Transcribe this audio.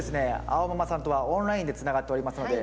あおママさんとはオンラインでつながっておりますので。